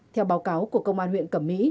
theo báo cáo của công an huyện cẩm mỹ